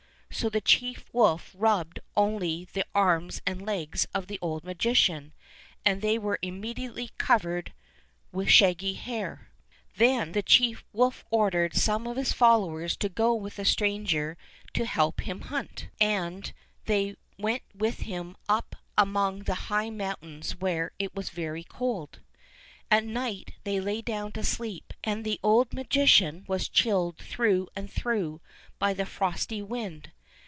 So the chief wolf rubbed only the arms and legs of the old magician, and they were immediately covered with shaggy hair. Then 52 Fairy Tale Bears the chief wolf ordered some of his followers to go with the stranger to help him hunt, and they went with him up among the high moun tains where it was very cold. At night they lay down to sleep, and the old magician was chilled through and through by the frosty wind.